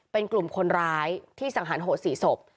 เป็นกลุ่มคนร้ายที่สังหารโหด๔ศพ